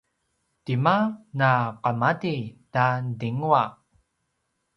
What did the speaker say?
tima na qemati ta dingwa?